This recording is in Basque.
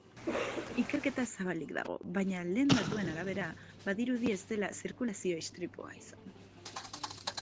Ikerketa zabalik dago, baina lehen datuen arabera badirudi ez dela zirkulazio-istripua izan.